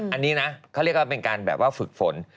อันนี้นะเขาเรียกว่าเป็นการแบบว่าฝึกฝน